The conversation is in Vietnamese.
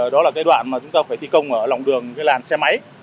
đó là cái đoạn mà chúng ta phải thi công ở lòng đường cái làn xe máy